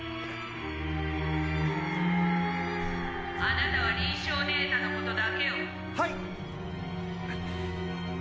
貴方は臨床データのことだけを。はいっ！